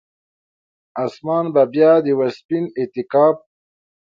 اسمان به بیا د یوه سپین اعتکاف،